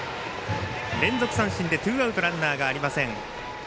連続三振でツーアウト、ランナーありません。